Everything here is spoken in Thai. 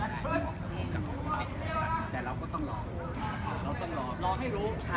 แต่เราก็ต้องรอรอให้รู้เพราะถ้าเราทำอย่างแบบนี้